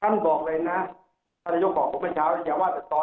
ท่านบอกเลยนะท่านระยกบอกผมเมื่อเช้าอย่างเงี้ยว่า